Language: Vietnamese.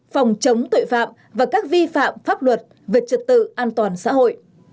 phòng chống tội phạm và các vi phạm pháp luật về trật tự an toàn xã hội